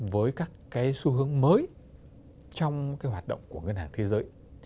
với các cái xu hướng mới trong cái hoạt động của ngân hàng thế giới